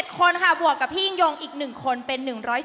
คนค่ะบวกกับพี่ยิ่งยงอีก๑คนเป็น๑๔